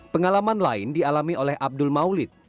pengalaman lain dialami oleh abdul maulid